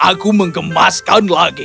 jangan berterima kasih soldiersglivin